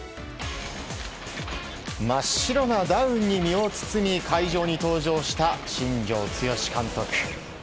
真っ白なダウンに身を包み会場に登場した新庄剛志監督。